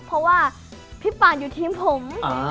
เพราะว่าพี่ปานอยู่ทีมผม